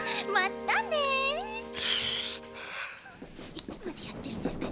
いつまでやってるんですか